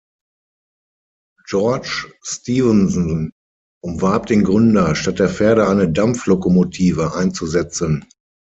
George Stephenson umwarb den Gründer, statt der Pferde eine Dampflokomotive einzusetzen.